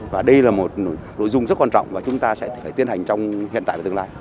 và đây là một nội dung rất quan trọng và chúng ta sẽ phải tiến hành trong hiện tại và tương lai